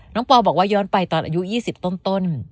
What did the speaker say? ปอบอกว่าย้อนไปตอนอายุ๒๐ต้น